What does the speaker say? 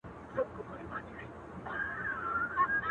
اې ښكلي پاچا سومه چي ستا سومه.